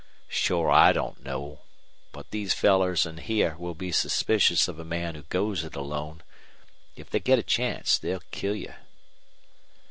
Shore I don't know. But these fellers in here will be suspicious of a man who goes it alone. If they get a chance they'll kill you."